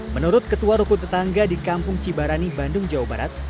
menurut ketua rukun tetangga di kampung cibarani bandung jawa barat